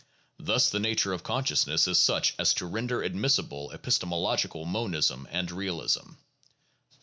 Thus the nature of consciousness is such as to render admissible epistemological monism and realism.